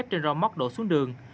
số sắt thép trên rô móc đổ xuống đường